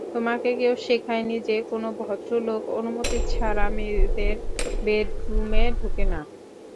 তোমাকে কেউ শেখায় নি যে, কোন ভদ্রলোক অনুমতি ছাড়া মেয়েদের বেডরুমে ঢোকে না?